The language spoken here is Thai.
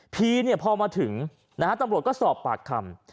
พีดพอมาถึงตำรวจก็สอบปากคำ